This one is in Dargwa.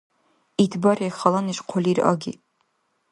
Ит бархӀи хала неш хъулир аги.